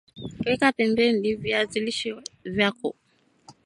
Weka pembeni viazi lishe vyako